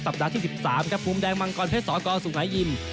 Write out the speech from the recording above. สัปดาห์ที่สิบสามครับภูมิแดงมังกรเผ็ดสรกสุหายยิม